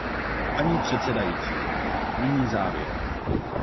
Paní předsedající, nyní závěr.